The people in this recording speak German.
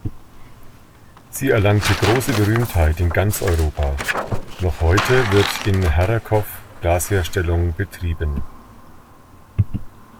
Sie erlangte große Berühmtheit in ganz Europa; noch heute wird in Harrachov Glasherstellung betrieben.